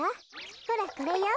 ほらこれよ。